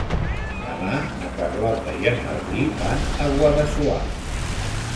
Demà na Carlota i en Martí van a Guadassuar.